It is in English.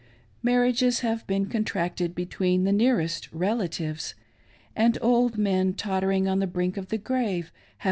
Mar riages have been contracted between the nearest relatives; and old men tottering on the brink of the grave hgve.